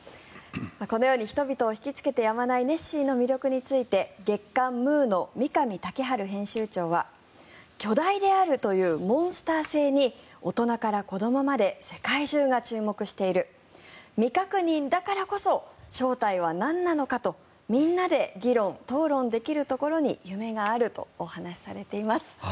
このように人々を引きつけてやまないネッシーの魅力について月刊「ムー」の三上丈晴編集長は巨大であるというモンスター性に大人から子どもまで世界中が注目している未確認だからこそ正体はなんなのかとみんなで議論・討論できるところに夢があるとお話されています。